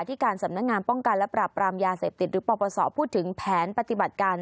ที่การสำนักงานป้องกันและปรับปรามยาเสพติดหรือปปศพูดถึงแผนปฏิบัติการ